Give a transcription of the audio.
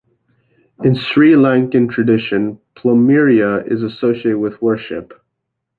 In Sri Lankan tradition, plumeria is associated with worship.